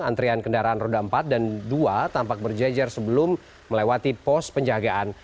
antrian kendaraan roda empat dan dua tampak berjejer sebelum melewati pos penjagaan